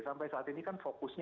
sampai saat ini kan fokusnya